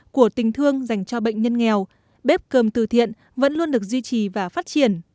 của tình thương dành cho bệnh nhân nghèo bếp cơm từ thiện vẫn luôn được duy trì và phát triển